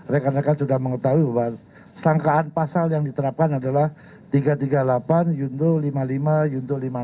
rekan rekan sudah mengetahui bahwa sangkaan pasal yang diterapkan adalah tiga ratus tiga puluh delapan yunto lima puluh lima yunto lima puluh enam